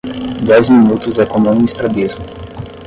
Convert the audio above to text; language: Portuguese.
Dez minutos é como um estrabismo